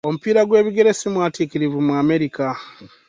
Omupiira gw'ebigere simwatiikirivu mu Amerka.